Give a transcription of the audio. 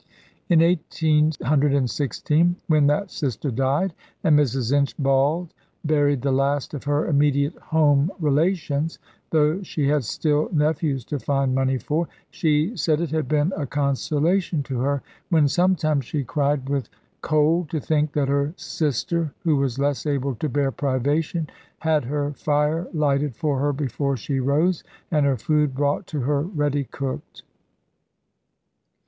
In 1816, when that sister died, and Mrs. Inchbald buried the last of her immediate home relations though she had still nephews to find money for she said it had been a consolation to her when sometimes she cried with cold to think that her sister, who was less able to bear privation, had her fire lighted for her before she rose, and her food brought to her ready cooked.